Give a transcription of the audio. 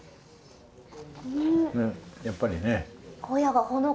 ねっやっぱりね。